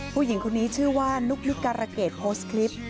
ผู้หญิงคนนี้ชื่อว่านุ๊กนิกการะเกดโพสต์คลิป